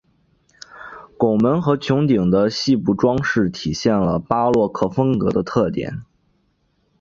拱门和穹顶的细部装饰体现了巴洛克风格的特点。